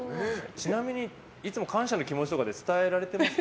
ちなみに、感謝の気持ちとかいつも伝えられてますか。